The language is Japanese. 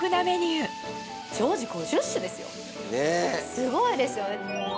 すごいですよね。